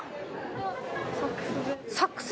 サックス？